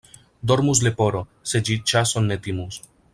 Dormus leporo, se ĝi ĉason ne timus.